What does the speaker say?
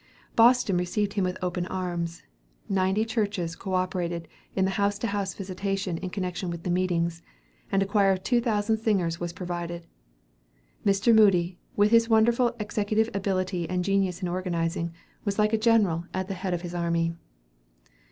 Boston received him with open arms. Ninety churches co operated in the house to house visitation in connection with the meetings, and a choir of two thousand singers was provided. Mr. Moody, with his wonderful executive ability and genius in organizing, was like a general at the head of his army.